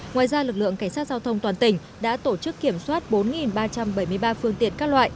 ngoài ra lực lượng cảnh sát giao thông toàn tỉnh đã tổ chức kiểm soát bốn ba trăm bảy mươi ba phương tiện các loại